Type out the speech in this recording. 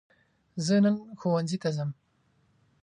زه نن ښوونځي ته ځم.